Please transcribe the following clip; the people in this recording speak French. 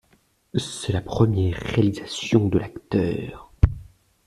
C'est la première réalisation de l'acteur.